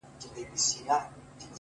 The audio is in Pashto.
اوس يې صرف غزل لولم ـ زما لونگ مړ دی ـ